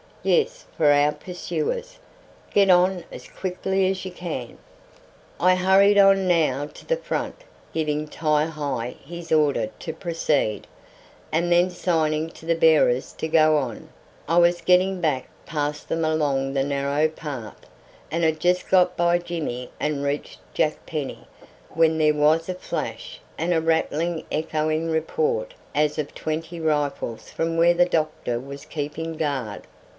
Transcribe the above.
"Yes, for our pursuers! Get on as quickly as you can." I hurried on now to the front, giving Ti hi his order to proceed, and then signing to the bearers to go on, I was getting back past them along the narrow path, and had just got by Jimmy and reached Jack Penny, when there was a flash, and a rattling echoing report as of twenty rifles from where the doctor was keeping guard.